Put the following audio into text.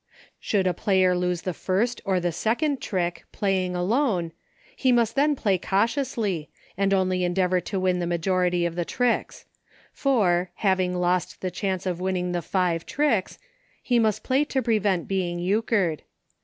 Should a player lose the first or the second trick, Playing Alone, he must then play cau tiously, and only endeavor to win the majo rity of the tricks ; for, having lost the chance of winning the five tricks, he must play to prevent being Euchred.